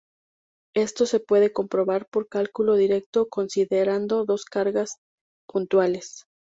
Esto se puede comprobar por cálculo directo considerando dos cargas puntuales.